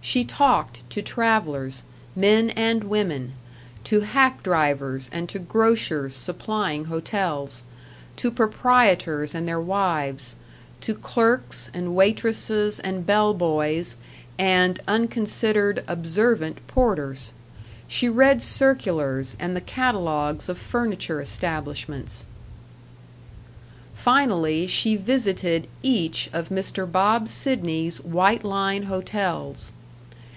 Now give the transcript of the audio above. She talked to travelers, men and women; to hack drivers and to grocers supplying hotels; to proprietors and their wives; to clerks and waitresses and bell boys, and unconsidered, observant porters. She read circulars and the catalogues of furniture establishments. Finally, she visited each of Mr. Bob Sidney's White Line Hotels.